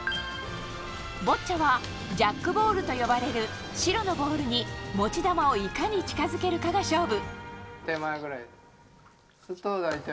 ボッチャはジャックボールと呼ばれる白のボールに持ち球をいかに近づけられるかが勝負。